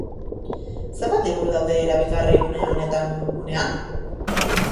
Zenbat liburu daude erabilgarri une honetan webgunean?